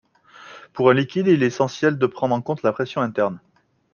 Pour un liquide, il est essentiel de prendre en compte la pression interne.